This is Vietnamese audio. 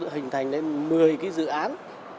hình thành lên một mươi cái dự án